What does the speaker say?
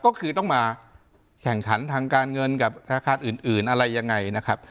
ก็คือต้องมาแข่งขันทางการเงินกับธนาคารอื่นอะไรยังไงนะครับ